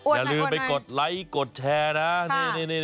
อย่าลืมไปกดไลค์กดแชร์นะ